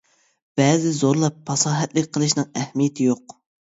بەزىدە زورلاپ پاساھەتلىك قىلىشنىڭ ئەھمىيىتى يوق.